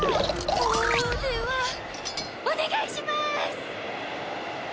これはお願いしまーす！